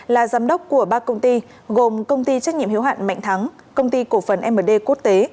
là giám đốc của ba công ty gồm công ty trách nhiệm hiếu hạn mạnh thắng công ty cổ phần md quốc tế